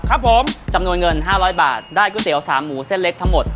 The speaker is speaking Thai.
ครับผมจำนวนเงิน๕๐๐บาทได้ก๋วยเตี๋ยว๓หมูเส้นเล็กทั้งหมด